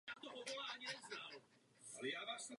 Na albu se podíleli například Nick Cave a Sharon Robinson.